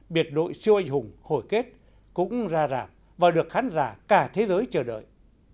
biệt đội siêu anh hùng hồi kết cũng ra rạp và được khán giả cả thế giới chờ đợi